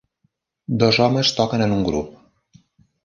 Dos homes toquen en un grup.